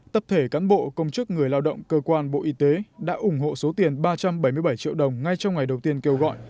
tập thể cán bộ công chức người lao động cơ quan bộ y tế đã ủng hộ số tiền ba trăm bảy mươi bảy triệu đồng ngay trong ngày đầu tiên kêu gọi